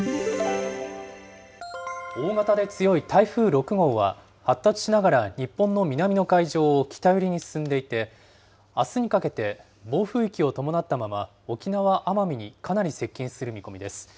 大型で強い台風６号は、発達しながら日本の南の海上を北寄りに進んでいて、あすにかけて暴風域を伴ったまま沖縄・奄美にかなり接近する見込みです。